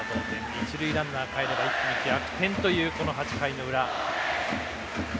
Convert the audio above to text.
一塁ランナーかえれば一気に逆転というこの８回の裏。